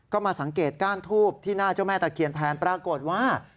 ก็มาสังเกตก้านทูบที่หน้าเจ้าแม่ตะเคียนแทนปรากฏว่า